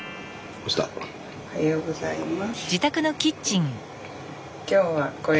おはようございます。